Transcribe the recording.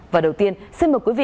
và đầu tiên xin mời quý vị